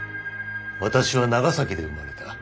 私は長崎で生まれた。